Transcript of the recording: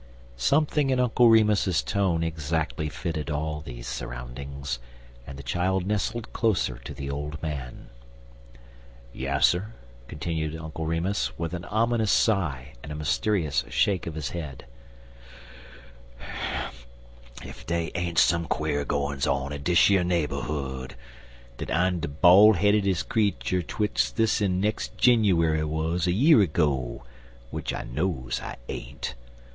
Something in Uncle Remus's tone exactly fitted all these surroundings, and the child nestled closer to the old man. "Yasser," continued Uncle Remus, with an ominous sigh and mysterious shake of the head, "ef dey ain't some quare gwines on in dish yer naberhood, den I'm de ball headest creetur 'twix' dis en nex' Jinawerry wuz a year 'go, w'ich I knows I ain't.